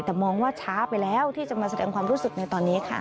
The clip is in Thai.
แต่มองว่าช้าไปแล้วที่จะมาแสดงความรู้สึกในตอนนี้ค่ะ